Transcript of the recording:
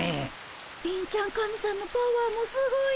貧ちゃん神さんのパワーもすごいねえ。